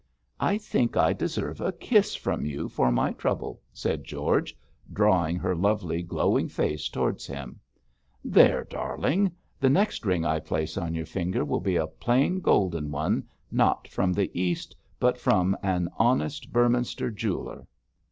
'I think I deserve a kiss from you for my trouble,' said George, drawing her lovely, glowing face towards him. 'There, darling; the next ring I place on your finger will be a plain golden one, not from the East, but from an honest Beorminster jeweller.'